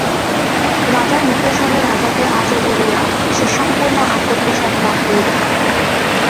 রাজার মুখের সামনে রাজাকে আজা বলিয়া সে সম্পূর্ণ আত্মপ্রসাদ লাভ করিল।